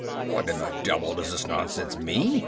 "What in the devil does this nonsense mean?"